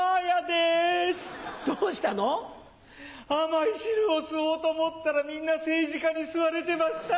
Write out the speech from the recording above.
甘い汁を吸おうと思ったらみんな政治家に吸われてました。